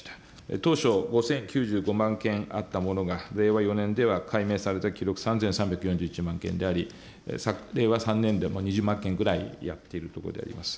当初、５０９５万件あったものが、令和４年では解明された記録３３４１万件であり、令和３年でも２０万件ぐらいやっているところであります。